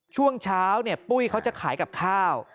ช่วงเช้าปุ้ยเขาจะขายกับข้าว